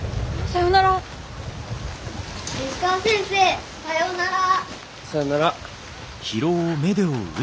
さよなら。